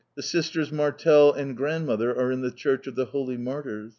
"Les soeurs Martell et Grandmère are in the Church of the Holy Martyrs."